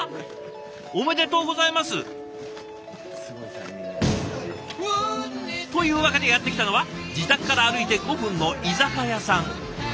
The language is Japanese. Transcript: おめでとうございます！というわけでやって来たのは自宅から歩いて５分の居酒屋さん。